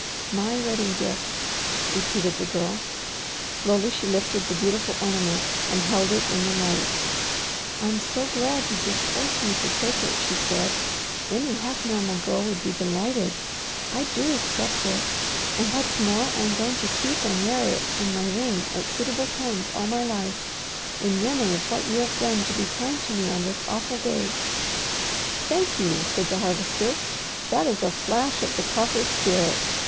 "My wedding gift!" repeated the Girl. Slowly she lifted the beautiful ornament and held it in the light. "I'm so glad you just force me to take it," she said. "Any half normal girl would be delighted. I do accept it. And what's more, I am going to keep and wear it and my ring at suitable times all my life, in memory of what you have done to be kind to me on this awful day." "Thank you!" said the Harvester. "That is a flash of the proper spirit.